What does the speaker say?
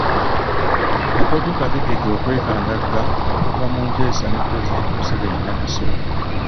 Kakodyo Kategeke okwekandagga okuva mu nteesa ne Pulezidenti Museveni e Nakasero